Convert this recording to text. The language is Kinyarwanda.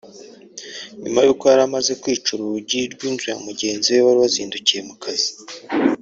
nyuma y’uko yari amaze kwica urugi rw’inzu ya mugenzi we wari wazindukiye mu kazi